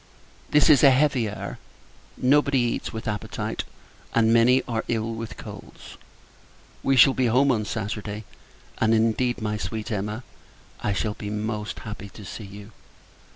This is a heavy air; nobody eats with appetite, and many are ill with colds. We shall be home on Saturday; and, indeed, my sweet Emma, I shall be most happy to see you.